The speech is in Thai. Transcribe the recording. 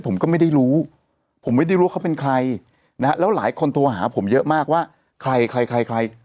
ผมก็ไม่ได้รู้ผมไม่ได้รู้เขาเป็นใครนะฮะแล้วหลายคนโทรหาผมเยอะมากว่าใครใคร